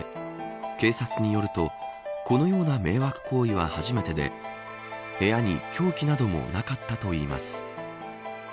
警察によるとこのような迷惑行為は初めてで部屋に凶器などもなかったといいます。